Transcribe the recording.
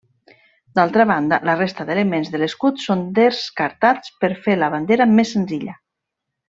D'altra banda, la resta d'elements de l'escut són descartats per fer la bandera més senzilla.